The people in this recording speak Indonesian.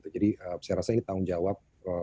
jadi saya rasa ini tanggung jawab